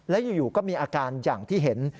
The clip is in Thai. และอยู่ก็มีอาการอย่างที่เห็น